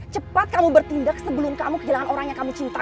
cepat kamu bertindak sebelum kamu kehilangan orang yang kami cintai